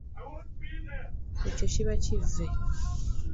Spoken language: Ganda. Ekyo kiba kivve.